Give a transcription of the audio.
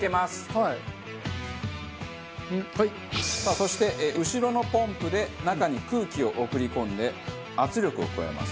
そして後ろのポンプで中に空気を送り込んで圧力を加えます。